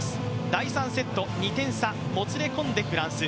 第３セット、２点差、もつれこんでフランス。